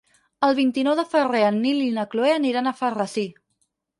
El vint-i-nou de febrer en Nil i na Cloè aniran a Alfarrasí.